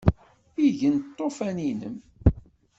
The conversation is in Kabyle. Igen Lṭufan-inem?